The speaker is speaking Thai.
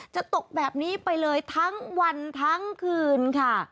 จะตกแบบนี้ไปเลยทั้งวันทั้งคืนค่ะ